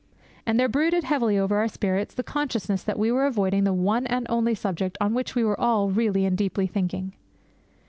And there brooded heavily over our spirits the consciousness that we were avoiding the one and only subject on which we were all really and deeply thinking.